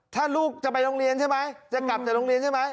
ถ้าลูกจะไปโรงเรียนใช่ไหมจะกลับจากโรงเรียนใช่ไหม